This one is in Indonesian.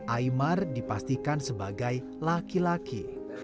aymar dipastikan sebagai laki laki